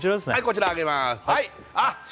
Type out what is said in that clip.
こちらあげます